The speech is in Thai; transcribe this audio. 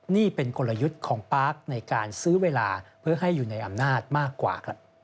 นี่เป็นกลยุทธ์ของปาร์คในการซื้อเวลาเพื่อให้อยู่ในอำนาจมากกว่า